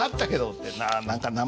って。